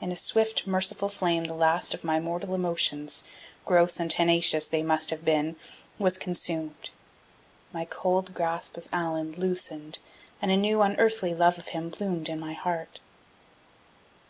In a swift, merciful flame the last of my mortal emotions gross and tenacious they must have been was consumed. My cold grasp of Allan loosened and a new unearthly love of him bloomed in my heart.